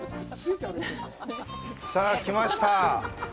さあ来ました。